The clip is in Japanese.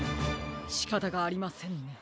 しかたがありませんね。